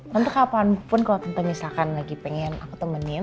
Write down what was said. tante kapanpun kalau tante misalkan lagi pengen aku temenin